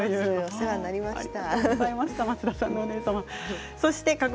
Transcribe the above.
お世話になりました。